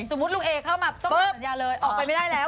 สมมุติลูกเอเข้ามาต้องรับสัญญาเลยออกไปไม่ได้แล้ว